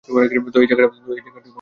তো, এই জায়গাটা আসলে কোথায়?